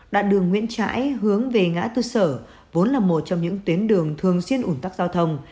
đoạn đường nguyễn trãi hướng về ngã tư sở vốn là một trong những tuyến đường thường xuyên ủn tắc giao thông